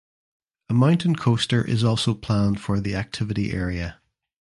A mountain coaster is also planned for the activity area.